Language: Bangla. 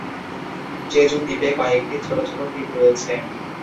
জেজু দ্বীপে কয়েকটি ছোট ছোট দ্বীপ রয়েছে।